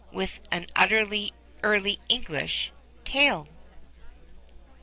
With an utterly Early English tail ?